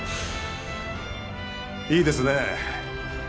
いいですねえ